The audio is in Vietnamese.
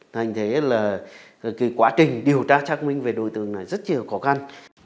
thành thế là cái quá trình điều tra xác minh về đối tượng này rất là khó khăn